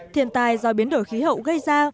thiền tài do biến đổi khí hậu gây ra